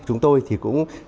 chúng tôi thì cũng